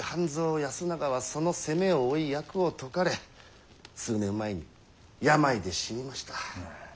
保長はその責めを負い役を解かれ数年前に病で死にました。